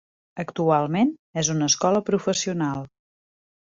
Actualment és una escola professional.